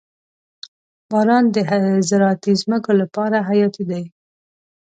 • باران د زراعتي ځمکو لپاره حیاتي دی.